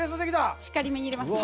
しっかりめに入れますね。